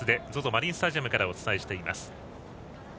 マリンスタジアムからお伝えしています。